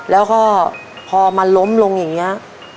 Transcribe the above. แล้วพอมาล้มลงอย่างงี้